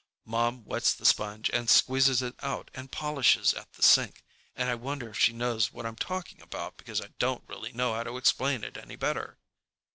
Mom wets the sponge and squeezes it out and polishes at the sink, and I wonder if she knows what I'm talking about because I don't really know how to explain it any better.